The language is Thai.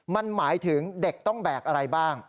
มันหมายถึงเด็กต้องแบกอะไรบ้าง